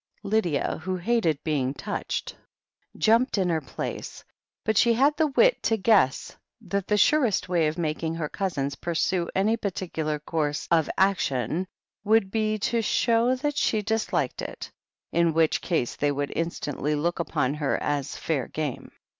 Lydia, who hated being touched, jumped in her place, but she had the wit to guess that the surest way of making her cousins pursue any particular course of action would be to show that she disliked it, in which case they would instantly look upon her as "fair game."